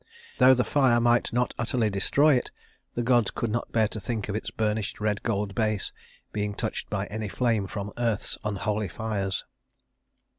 Though the fire might not utterly destroy it, the gods could not bear to think of its burnished red gold base being touched by any flame from earth's unholy fires.